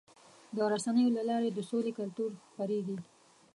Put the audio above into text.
د رسنیو له لارې د سولې کلتور خپرېږي.